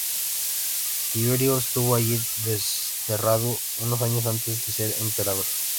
Tiberio estuvo allí desterrado unos años antes de ser emperador.